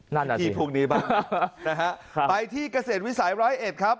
นั่นที่พรุ่งนี้บ้างนะฮะไปที่เกษตรวิสัยร้อยเอ็ดครับ